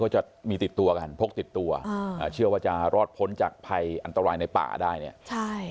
จะมีติดตัวกันพกติดตัวอ่าเชื่อว่าจะรอดพ้นจากภัยอันตรายในป่าได้เนี่ยใช่